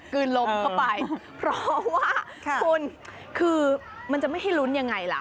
ลมเข้าไปเพราะว่าคุณคือมันจะไม่ให้ลุ้นยังไงล่ะ